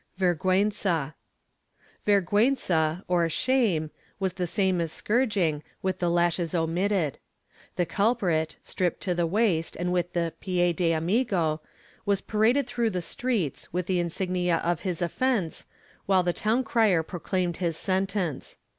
VERGUENZA. Vergiienza, or shame, was the same as scourging, with the lashes omitted. The culprit, stripped to the waist and with the pie de amigo, was paraded through the streets, with the insignia of his offence, while the town crier proclaimed his sentence.